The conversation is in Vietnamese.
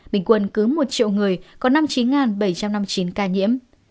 bình quân cứ một triệu người có năm mươi chín bảy trăm năm mươi chín ca nhiễm